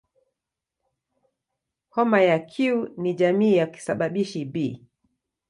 Homa ya Q ni jamii ya kisababishi "B".